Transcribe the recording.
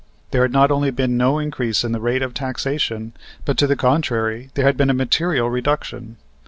There had not only been no increase in the rate of taxation, but, to the contrary, there had been a material reduction.